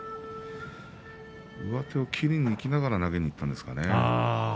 上手を切りながら投げにいったんでしょうかね。